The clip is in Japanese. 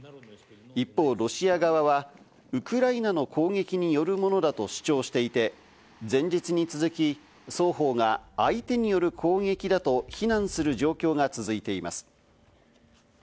一方、ロシア側はウクライナの攻撃によるものだと主張していて、前日に続き、双方が相手による攻撃だと非難する状況が続いています。